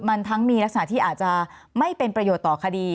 มันทั้งมีลักษณะที่อาจจะไม่เป็นประโยชน์ต่อคดี